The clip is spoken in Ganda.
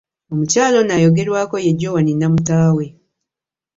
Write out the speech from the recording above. Omukyala ono ayogerwako ye Joan Namutaawe.